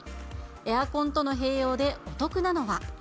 エアコンとの併用でお得なのは。